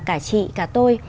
cả chị cả tôi